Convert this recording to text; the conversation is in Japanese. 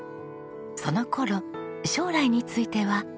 その頃将来については。